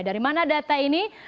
dari mana data ini